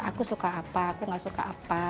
aku suka apa aku gak suka apa